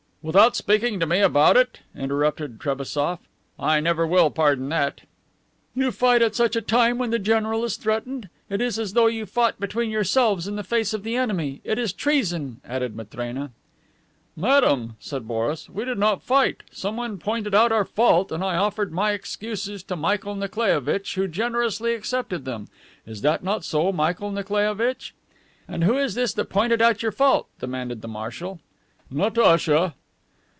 "Without speaking to me about it!" interrupted Trehassof. "I never will pardon that." "You fight at such a time, when the general is threatened! It is as though you fought between yourselves in the face of the enemy. It is treason!" added Matrena. "Madame," said Boris, "we did not fight. Someone pointed out our fault, and I offered my excuses to Michael Nikolaievitch, who generously accepted them. Is that not so, Michael Nikolaievitch?" "And who is this that pointed out your fault?" demanded the marshal. "Natacha."